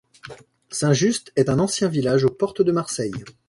Saint-Just est un ancien village aux portes de Marseille.